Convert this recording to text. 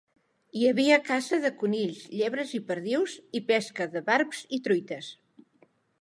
Hi havia caça de conills, llebres i perdius i pesca de barbs i truites.